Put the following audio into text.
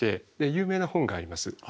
有名な本があります。